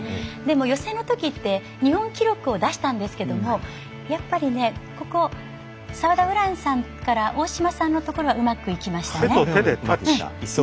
予選のときって日本記録を出したんですけどもやっぱり澤田優蘭さんから大島さんのところはうまくいきましたね。